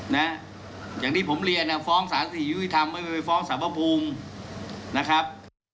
นะฮะอย่างที่ผมเรียนฟ้องศาสตร์สถิติธรรมฟ้องศาสตร์ประภูมินะครับ